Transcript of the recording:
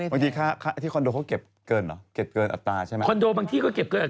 บางทีค่าที่คอนโดเขาเก็บเกินเหรอเก็บเกินอัตราใช่ไหมคอนโดบางที่ก็เก็บเกิน